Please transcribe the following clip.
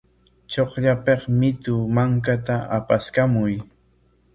Chukllapik mitu mankata apaskamuy.